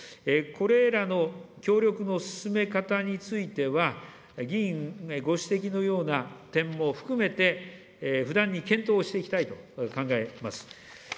これらの協力の進め方については、議員ご指摘のような点も含めて、不断に検討していきたいと考えます。